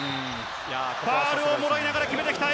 ファウルをもらいながら決めてきた。